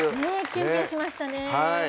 キュンキュンしましたね。